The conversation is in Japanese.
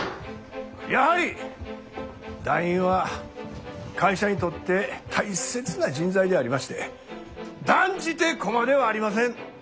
やはり団員は会社にとって大切な人材でありまして断じて駒ではありません。